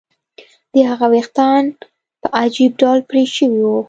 د هغه ویښتان په عجیب ډول پرې شوي وو